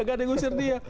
tidak ada yang ngusir dia